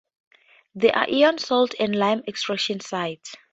There are iron, salt, and lime extraction sites.